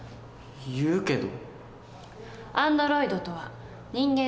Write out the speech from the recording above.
言うけど。